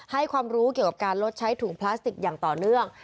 ให้ความรู้เกี่ยวกับการลดใช้ถุงพลาสติกอย่างต่อเนื่อง